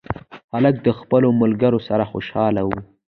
هلک د خپلو ملګرو سره خوشحاله و.